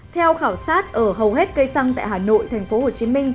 theo khảo sát ở hầu hết cây xăng tại hà nội tp hcm